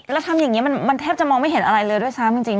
แล้วทำอย่างนี้มันแทบจะมองไม่เห็นอะไรเลยด้วยซ้ำจริง